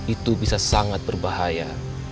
itu bisa sangat berbahaya